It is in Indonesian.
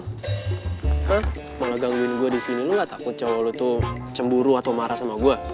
hah malah gangguin gue disini lo ga takut cowo lo tuh cemburu atau marah sama gue